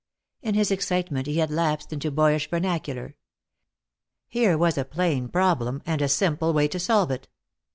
In his excitement he had lapsed into boyish vernacular. "Here was a plain problem, and a simple way to solve it.